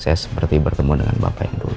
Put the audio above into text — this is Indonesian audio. saya seperti bertemu dengan bapak yang dulu